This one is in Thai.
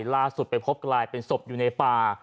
ล่าสุดไปพบกลายเป็นศพอยู่ในป่า